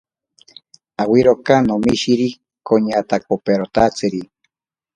Awiroka nomishiri koñatakoperotatsiri.